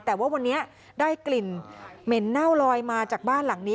แต่ว่าวันนี้ได้กลิ่นเหม็นเน่าลอยมาจากบ้านหลังนี้